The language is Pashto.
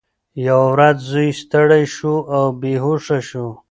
یوه ورځ زوی ستړی شو او بېهوښه شو.